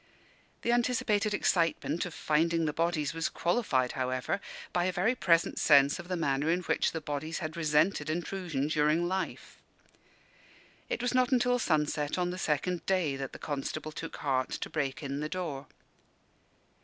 The anticipated excitement of finding the bodies was qualified, however, by a very present sense of the manner in which the bodies had resented intrusion during life. It was not until sunset on the second day that the constable took heart to break in the door.